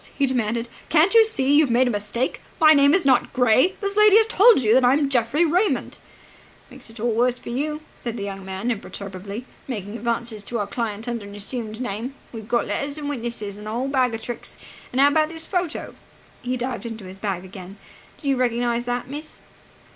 he demanded. "Can't you see you've made a mistake? My name is not Gray. This lady has told you that I am Geoffrey Raymond!" "Makes it all the worse for you," said the young man imperturbably, "making advances to our client under an assumed name. We've got letters and witnesses and the whole bag of tricks. And how about this photo?" He dived into the bag again. "Do you recognize that, miss?"